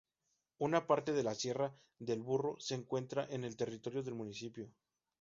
Una parte de la Sierra del Burro se encuentra en el territorio del municipio.